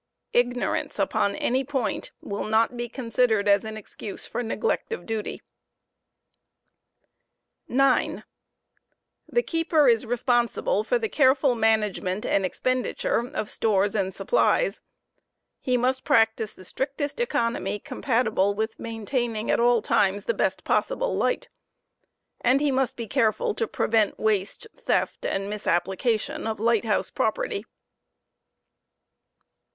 Ignorance upon any point will not be considered as an excuse for neglect of duty. 9, The keeper is responsible for the careful management and expenditure of stores for ^™ hlbiUtr and supplies. He must practice the strictest economy compatible with maintaining at all times the best possible light; and he must be careful to prevent waste, theft, or misapplication of light house property.